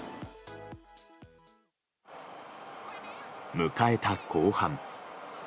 迎えた後半。